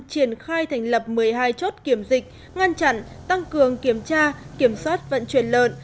triển khai thành lập một mươi hai chốt kiểm dịch ngăn chặn tăng cường kiểm tra kiểm soát vận chuyển lợn